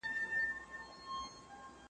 چم کښې هره ورځ روژه ده